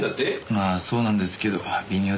まあそうなんですけど微妙ですね。